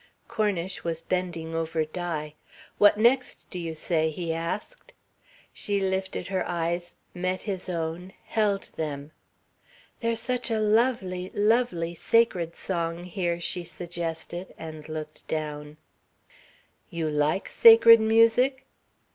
Cornish was bending over Di. "What next do you say?" he asked. She lifted her eyes, met his own, held them. "There's such a lovely, lovely sacred song here," she suggested, and looked down. "You like sacred music?"